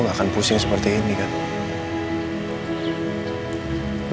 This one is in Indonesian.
masa maksudnya tertinggal ini